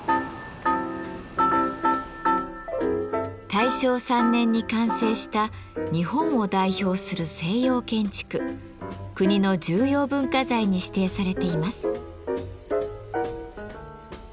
大正３年に完成した日本を代表する西洋建築国の重要文化財に指定されています。